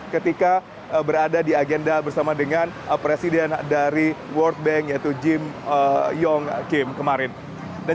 ketika berada di agenda bersama dengan presiden dari world bank yaitu jim yong kim kemarin dan